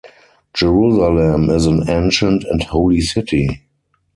Jerusalem is an ancient and holy city.